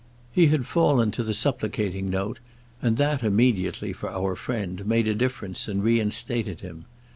He had fallen to the supplicating note, and that immediately, for our friend, made a difference and reinstated him.